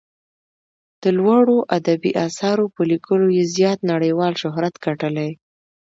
د لوړو ادبي اثارو په لیکلو یې زیات نړیوال شهرت ګټلی.